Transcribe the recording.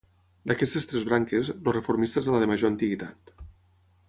D'aquestes tres branques, el reformista és la de major antiguitat.